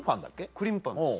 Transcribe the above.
クリームパンです。